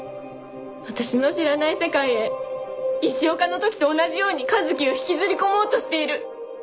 私の知らない世界へ石岡の時と同じように一輝を引きずり込もうとしている。